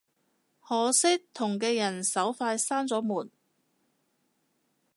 可惜同嘅人手快閂咗門